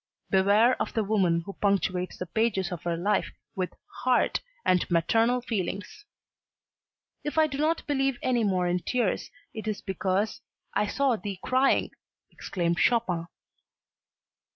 Beware of the woman who punctuates the pages of her life with "heart" and "maternal feelings." "If I do not believe any more in tears it is because I saw thee crying!" exclaimed Chopin.